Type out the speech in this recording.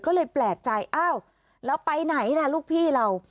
ก็เลยแปลกใจอ้าวแล้วไปไหนล่ะลูกพี่เรา